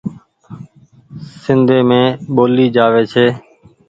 سندي مين ٻولي جآوي ڇي ۔